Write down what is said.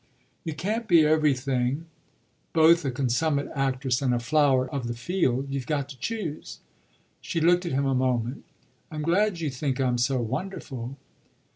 "You can't be everything, both a consummate actress and a flower of the field. You've got to choose." She looked at him a moment. "I'm glad you think I'm so wonderful."